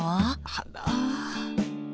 あら。